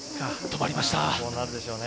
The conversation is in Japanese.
止まりました。